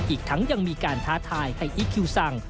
อีกทั้งยังมีการท้าทายให้อีคคิวสั่ง